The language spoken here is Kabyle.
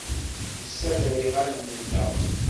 Nessader iɣallen-nneɣ.